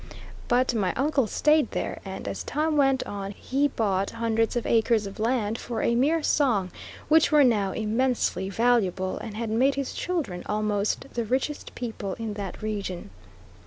But my uncle stayed there, and, as time went on, he bought hundreds of acres of land for a mere song, which were now immensely valuable, and had made his children almost the richest people in that region.